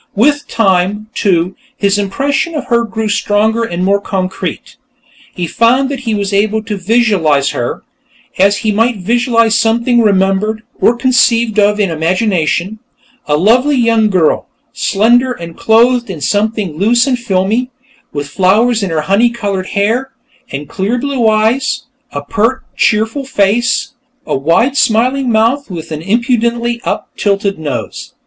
With time, too, his impression of her grew stronger and more concrete. He found that he was able to visualize her, as he might visualize something remembered, or conceived of in imagination a lovely young girl, slender and clothed in something loose and filmy, with flowers in her honey colored hair, and clear blue eyes, a pert, cheerful face, a wide, smiling mouth and an impudently up tilted nose.